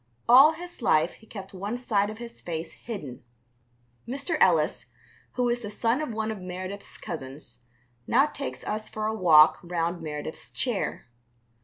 All his life he kept one side of his face hidden. Mr. Ellis, who is the son of one of Meredith's cousins, now takes us for a walk round Meredith's chair.